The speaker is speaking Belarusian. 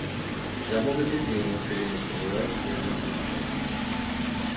Таму гэта дзіўна, калі нас называюць модным гуртом.